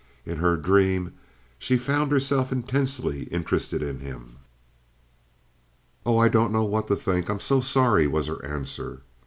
In her dream she found herself intensely interested in him. "Oh, I don't know what to think. I'm so sorry," was her answer.